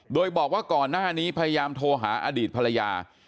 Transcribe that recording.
โดยบอกว่าก่อนหน้านี้พยายามโทรหาอดีตภรรยา